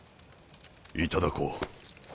いただこう。